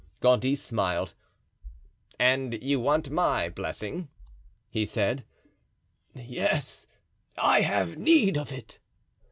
Gondy smiled. "And you want my blessing?" he said. "Yes, I have need of it."